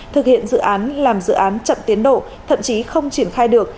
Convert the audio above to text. thực hiện dự án làm dự án chậm tiến độ thậm chí không triển khai được